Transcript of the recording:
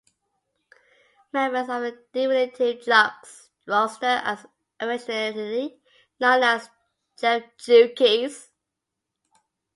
Members of the Definitive Jux roster are affectionately known as Def Jukies.